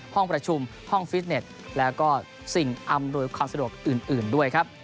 ห้องประชุมห้องฟิตเน็ตแล้วก็สิ่งอำนวยความสะดวกอื่นด้วยครับ